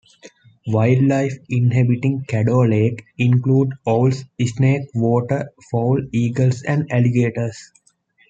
Wildlife inhabiting Caddo Lake includes owls, snakes, water fowl, eagles, and alligators.